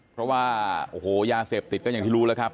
เพราะว่ายาเสพติดก็อย่างที่รู้เลยครับ